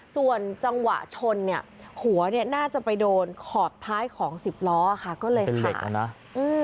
ส่วนจังหวะชนเนี่ยหัวเนี่ยน่าจะไปโดนขอบท้ายของสิบล้อค่ะก็เลยขานะอืม